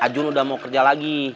ajun udah mau kerja lagi